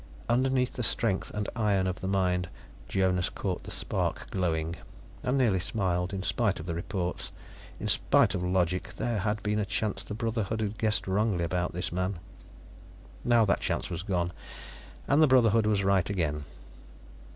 Underneath the strength and iron of the mind Jonas caught the spark glowing, and nearly smiled. In spite of the reports, in spite of logic, there had been a chance the Brotherhood had guessed wrongly about this man. Now that chance was gone, and the Brotherhood was right again.